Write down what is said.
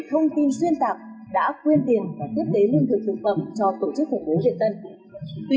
thông tin xuyên tạp đã quên tiền và tiếp tế lương thực thực phẩm cho tổ chức khủng bố việt tân tuy